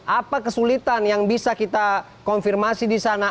apa kesulitan yang bisa kita konfirmasi di sana